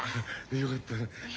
よかったな。